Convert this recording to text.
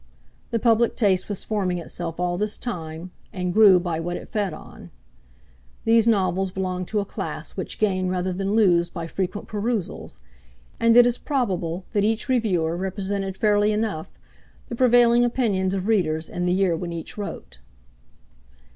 The public taste was forming itself all this time, and 'grew by what it fed on.' These novels belong to a class which gain rather than lose by frequent perusals, and it is probable that each Reviewer represented fairly enough the prevailing opinions of readers in the year when each wrote.